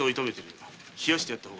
冷やしてやった方がいいな。